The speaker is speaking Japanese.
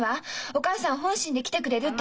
お母さん本心で来てくれるって。